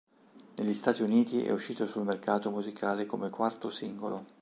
Negli Stati Uniti è uscito sul mercato musicale come quarto singolo.